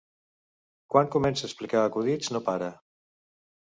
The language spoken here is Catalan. Quan comença a explicar acudits, no para.